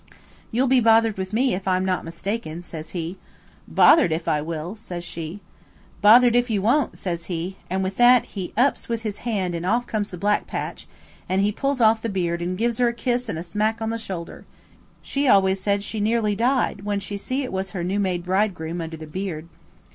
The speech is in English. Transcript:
"'You'll be bothered with me, if I'm not mistaken,' says he. "'Bothered if I will,' says she. "'Bothered if you won't,' says he, and with that he ups with his hand and off comes the black patch, and he pulls off the beard and gives her a kiss and a smack on the shoulder. She always said she nearly died when she see it was her new made bridegroom under the beard.